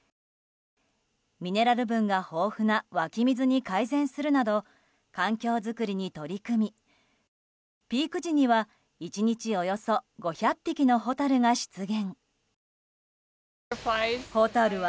ミネラル分が豊富な湧き水に変えるなど環境作りに取り組みピーク時には１日およそ５００匹のホタルが出現。